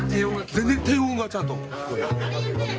全然低音がちゃんと聞こえる。